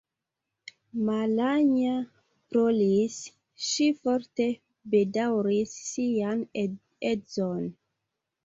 Malanja ploris; ŝi forte bedaŭris sian edzon.